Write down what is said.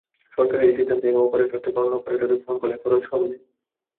সরকারের এই সিদ্ধান্তে এক অপারেটর থেকে অন্য অপারেটরে ফোনকলের খরচ কমবে।